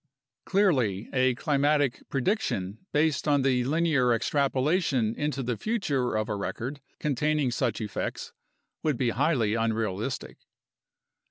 Clearly, a climatic prediction based on the linear extrapolation into the future of a record containing such effects would be highly unrealistic.